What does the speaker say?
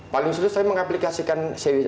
paling sulit saya mengaplikasikan seri riset tadi itu